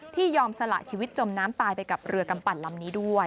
ยอมสละชีวิตจมน้ำตายไปกับเรือกำปั่นลำนี้ด้วย